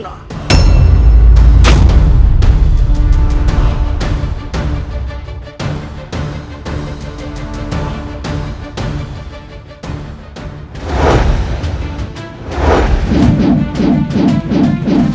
apakah kau tertarik